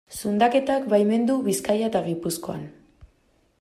Zundaketak baimendu Bizkaia eta Gipuzkoan.